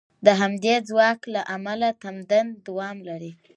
د همدې ځواک له امله تمدن دوام کوي.